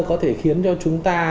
có thể khiến cho chúng ta